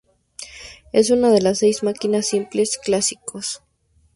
Es una de las seis máquinas simples clásicos.